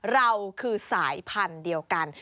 เราคือสายพันธุ์เดียวกัน